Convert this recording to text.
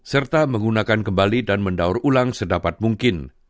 serta menggunakan kembali dan mendaur ulang sedapat mungkin